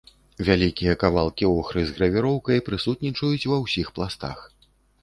Вялікія кавалкі охры з гравіроўкай прысутнічаюць ва ўсіх пластах.